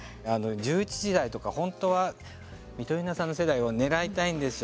１１時台とか本当は、みとゆなさんの世代をねらいたいんですよ。